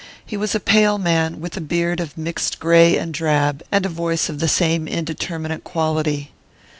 He was a pale man, with a beard of mixed grey and drab, and a voice of the same indeterminate quality.